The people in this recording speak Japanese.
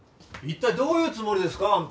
一体どういうつもりですか？